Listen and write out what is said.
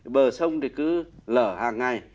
bờ sông thì cứ lở hàng ngày